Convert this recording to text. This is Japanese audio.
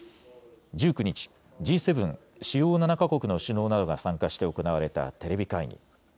１９日、Ｇ７・主要７か国の首脳などが参加して行われたテレビ会議。